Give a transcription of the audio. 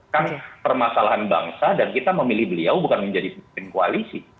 kan permasalahan bangsa dan kita memilih beliau bukan menjadi pemimpin koalisi